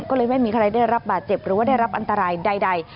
ก็เลยไม่มีใครได้รับบาดเจ็บหรือว่าได้รับอันตรายใด